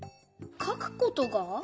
かくことが？